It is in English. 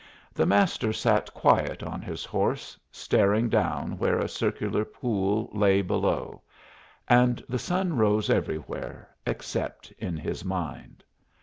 The master sat quiet on his horse, staring down where a circular pool lay below; and the sun rose everywhere, except in his mind.